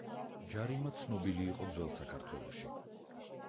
ჯარიმა ცნობილი იყო ძველ საქართველოში.